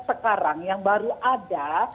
sekarang yang baru ada